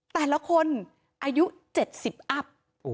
แต่ละคนอายุ๗๐อัพ